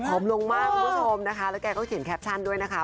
ลงมากคุณผู้ชมนะคะแล้วแกก็เขียนแคปชั่นด้วยนะคะ